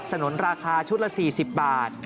นุนราคาชุดละ๔๐บาท